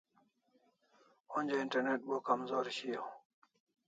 Onja internet bo kamzor shiau